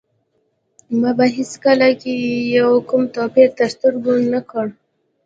ما په هیکل کي یې کوم توپیر تر سترګو نه کړ.